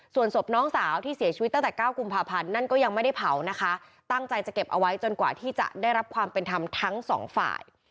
ส่วนศพน้องสาวที่เสียชีวิตตั้งแต่เก้ากุมภาพันธ์นั่นก็ยังไม่ได้เผานะคะตั้งใจจะเก็บเอาไว้จนกว่าที่จะได้รับความเป็นธรรมทั้งสองฝ่าย